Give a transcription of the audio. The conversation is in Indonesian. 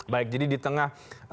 baik jadi di tengah